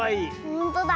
ほんとだ。